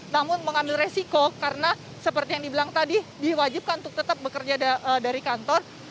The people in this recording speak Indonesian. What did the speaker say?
namun mengambil resiko karena seperti yang dibilang tadi diwajibkan untuk tetap bekerja dari kantor